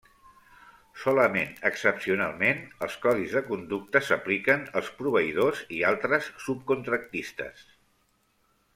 Solament excepcionalment, els codis de conducta s'apliquen als proveïdors i altres subcontractistes.